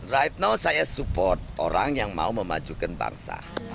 right now saya support orang yang mau memajukan bangsa